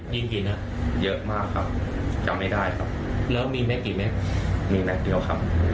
ยิงหมดก็ใส่ครับหมดใส่อีกหมดอีก